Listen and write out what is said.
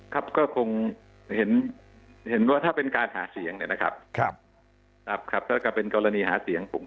ครับก็คงเห็นว่าถ้าเป็นการหาเสียงเนี่ยนะครับครับแล้วก็เป็นกรณีหาเสียงผม